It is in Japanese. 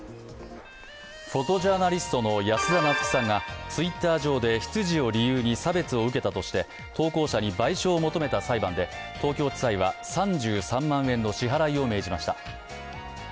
フォトジャーナリストの安田菜津紀さんがＴｗｉｔｔｅｒ上で出自を理由に差別を受けたとして投稿者に賠償を求めた裁判で東京地裁は３３万円の支払いを命じました。